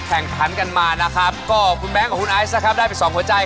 เป็นงานนะครับเนี่ย